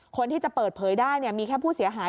คนที่จะเปิดเผยได้มีแค่ผู้เสียหาย